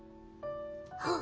あっ。